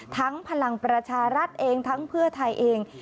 พลังประชารัฐเองทั้งเพื่อไทยเอง